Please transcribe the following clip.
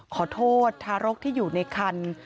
ขอโทษทารกที่อยู่ในคัน